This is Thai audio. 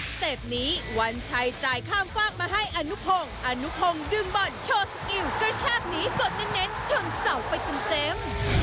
เต็ปนี้วันชัยจ่ายข้ามฝากมาให้อนุพงศ์อนุพงศ์ดึงบอลโชว์สกิลกระชากหนีสดเน้นชนเสาไปเต็ม